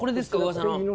噂の。